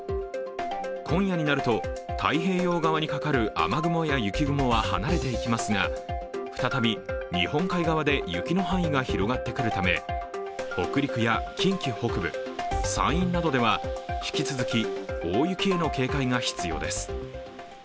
今夜になると、太平洋側にかかる雨雲や雪雲は離れていきますが再び日本海側で雪の範囲が広がってくるため北陸や近畿北部、山陰などでは引き続き大雪への警戒が必要です。